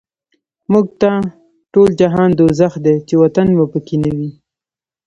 موږ ته ټول جهان دوزخ دی، چی وطن مو په کی نه وی